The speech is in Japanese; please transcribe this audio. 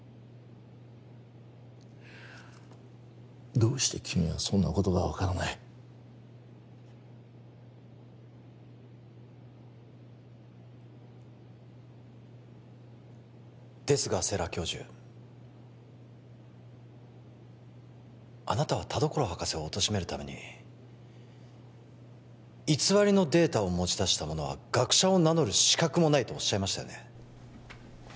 どうして君はそんなことが分からないですが世良教授あなたは田所博士をおとしめるために偽りのデータを持ち出した者は学者を名乗る資格もないとおっしゃいましたよね